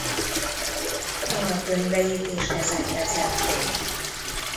Anyakönyveit is ezek vezették.